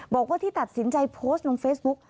บอกว่าที่ตัดสินใจโพสต์ลงเฟซบุ๊ก